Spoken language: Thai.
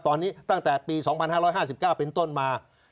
ตอนนี้ตั้งแต่ปี๒๕๕๙เป็นต้นมา